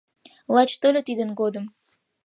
Лач тольо тидын годым